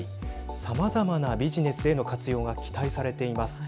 さまざまなビジネスへの活用が期待されています。